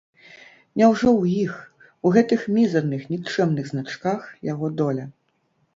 Няўжо ў іх, у гэтых мізэрных, нікчэмных значках, яго доля?